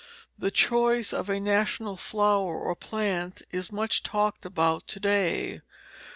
The choice of a national flower or plant is much talked about to day.